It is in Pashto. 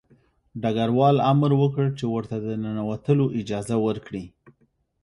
ډګروال امر وکړ چې ورته د ننوتلو اجازه ورکړي